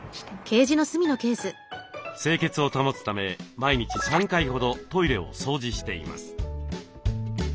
清潔を保つため毎日３回ほどトイレを掃除しています。